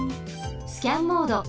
スキャンモード。